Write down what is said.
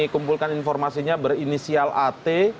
kumpulkan informasinya berinisial at